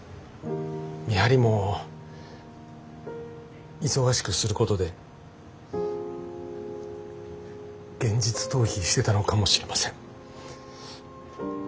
見張りも忙しくすることで現実逃避してたのかもしれません。